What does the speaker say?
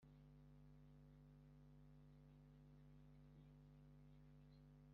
ubutaka bakoraga uburetwa naho ubuhake bwarebaga abashaka